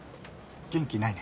元気ないね。